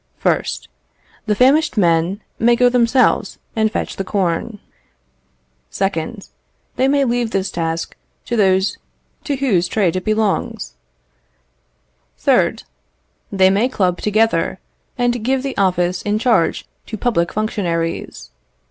1st. The famished men may go themselves and fetch the corn. 2nd. They may leave this task to those to whose trade it belongs. 3rd. They may club together, and give the office in charge to public functionaries.